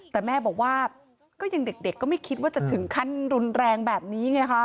แต่แม่บอกว่าก็ยังเด็กก็ไม่คิดว่าจะถึงขั้นรุนแรงแบบนี้ไงคะ